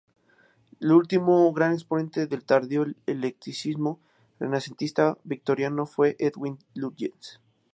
El último gran exponente del tardío eclecticismo renacentista victoriano fue Edwin Lutyens.